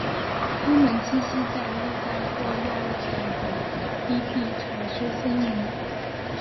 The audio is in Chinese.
它们栖息在热带或亚热带的低地潮湿森林。